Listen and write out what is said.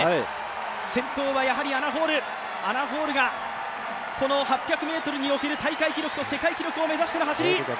先頭はやはりアナ・ホール、８００ｍにおける大会記録と世界記録を目指しての走り。